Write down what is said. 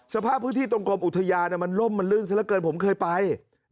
สภาพพื้นที่ตรงกรมอุทยานมันล่มมันลื่นซะละเกินผมเคยไป